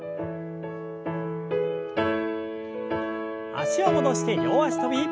脚を戻して両脚跳び。